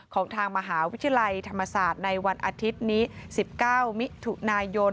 ของทางมหาวิทยาลัยธรรมศาสตร์ในวันอาทิตย์นี้๑๙มิถุนายน